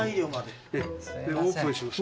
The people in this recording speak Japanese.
オープンします。